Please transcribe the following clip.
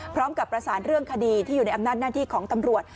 พร้อมกับประสานเรื่องคดีที่อยู่ในอำนาจหน้าที่ของตำรวจ